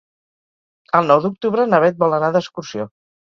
El nou d'octubre na Bet vol anar d'excursió.